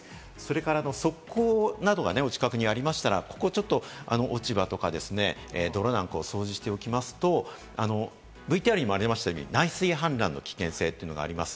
また側溝などが、お近くにありましたら、落ち葉とか泥なんかを掃除しておきますと、ＶＴＲにもありましたように、内水氾濫の恐れがあります。